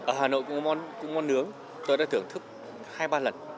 ở hà nội cũng có món nướng tôi đã thưởng thức hai ba lần